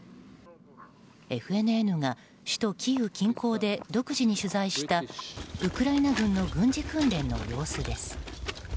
ＦＮＮが首都キーウ近郊で独自に取材したウクライナ軍の軍事訓練の様子です。